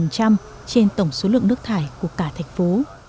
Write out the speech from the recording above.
trên tổng số lượng nước thải của cả thành phố